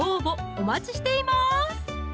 お待ちしています